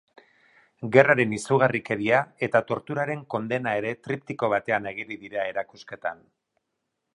Gerraren izugarrikeria eta torturaren kondena ere triptiko batean ageri dira erakusketan.